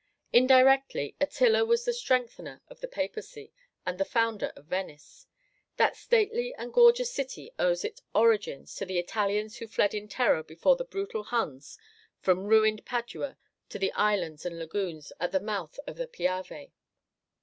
Indirectly Attila was the strengthener of the Papacy, and the founder of Venice. That stately and gorgeous city owes its origin to the Italians who fled in terror before the brutal Huns from ruined Padua to the islands and lagoons at the mouth of the Piave.